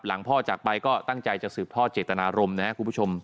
พ่อจากไปก็ตั้งใจจะสืบทอดเจตนารมณ์นะครับคุณผู้ชม